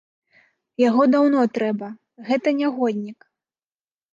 Яго даўно трэба, гэта нягоднік!